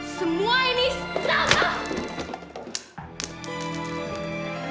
semua ini sampah